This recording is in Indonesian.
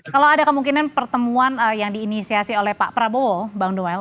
kalau ada kemungkinan pertemuan yang diinisiasi oleh pak prabowo bang noel